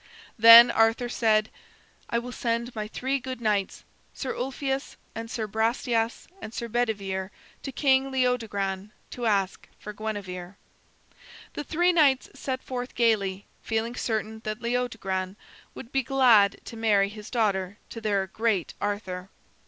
Then Arthur said: "I will send my three good knights, Sir Ulfius and Sir Brastias and Sir Bedivere, to King Leodogran to ask for Guinevere." The three knights set forth gayly, feeling certain that King Leodogran would be glad to marry his daughter to their great Arthur.